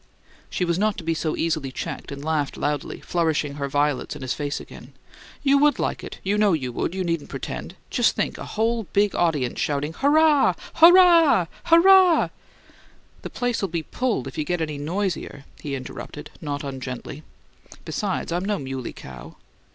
She was not to be so easily checked, and laughed loudly, flourishing her violets in his face again. "You WOULD like it; you know you would; you needn't pretend! Just think! A whole big audience shouting, 'Hurrah! HURRAH! HUR '" "The place'll be pulled if you get any noisier," he interrupted, not ungently. "Besides, I'm no muley cow."